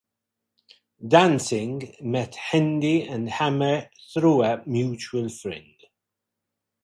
Dantzig met Hendee and Hamer through a mutual friend.